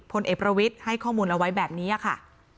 พลเอกประวิทย์ให้ข้อมูลเอาไว้แบบนี้ค่ะ